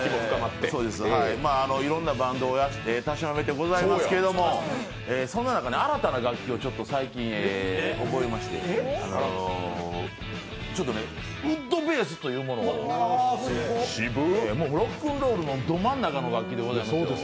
いろんなバンドをたしなめてございますけどもそんな中、新たな楽器をやり始めましてちょっとウッドベースというものをロックンロールのど真ん中の楽器でございますよ。